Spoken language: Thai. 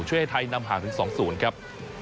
ให้ไทยนำห่างถึง๒๐ครับ